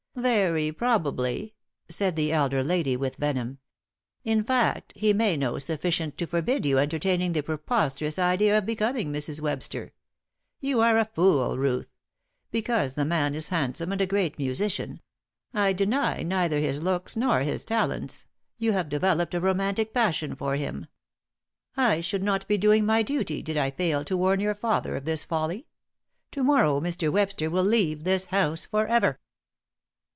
"Very probably," said the elder lady, with venom. "In fact, he may know sufficient to forbid you entertaining the preposterous idea of becoming Mrs. Webster. You are a fool, Ruth! Because the man is handsome and a great musician I deny neither his looks nor his talents you have developed a romantic passion for him. I should not be doing my duty did I fail to warn your father of this folly. To morrow Mr. Webster will leave this house for ever."